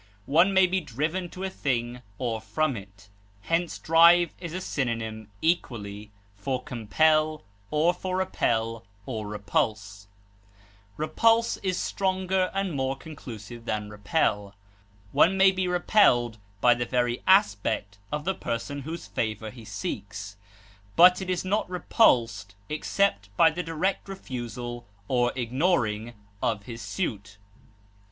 One may be driven to a thing or from it; hence, drive is a synonym equally for compel or for repel or repulse. Repulse is stronger and more conclusive than repel; one may be repelled by the very aspect of the person whose favor he seeks, but is not repulsed except by the direct refusal or ignoring of his suit.